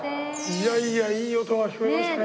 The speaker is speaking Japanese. いやいやいい音が聴こえましてね。